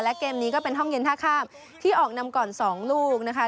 และเกมนี้ก็เป็นห้องเย็นท่าข้ามที่ออกนำก่อน๒ลูกนะคะ